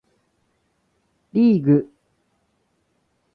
リーグ